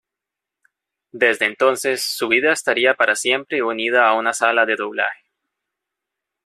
Desde entonces su vida estaría para siempre unida a una sala de doblaje.